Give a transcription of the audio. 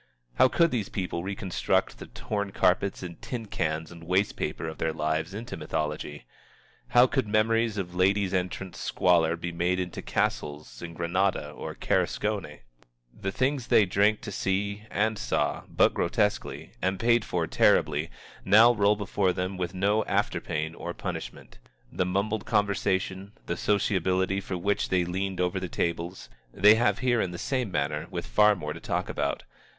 How could these people reconstruct the torn carpets and tin cans and waste paper of their lives into mythology? How could memories of Ladies' Entrance squalor be made into Castles in Granada or Carcassonne? The things they drank to see, and saw but grotesquely, and paid for terribly, now roll before them with no after pain or punishment. The mumbled conversation, the sociability for which they leaned over the tables, they have here in the same manner with far more to talk about.